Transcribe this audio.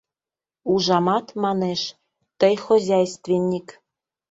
Ужамат, манеш, тый — хозяйственник.